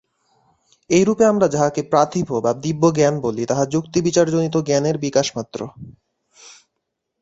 এইরূপে আমরা যাহাকে প্রাতিভ বা দিব্যজ্ঞান বলি, তাহা যুক্তিবিচারজনিত জ্ঞানের বিকাশমাত্র।